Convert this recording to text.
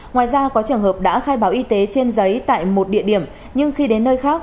ngoài ra có trường hợp đã khai báo y tế trên giấy tại một địa điểm nhưng khi đến nơi khác